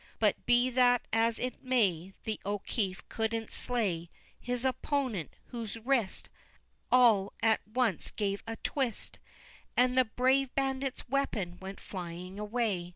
But, be that as it may, The O'Keefe couldn't slay His opponent, whose wrist All at once gave a twist, And the brave bandit's weapon went flying away!